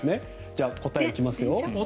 じゃあ、答え行きますよ。